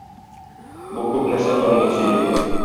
Бу күп нәрсә турында сөйли.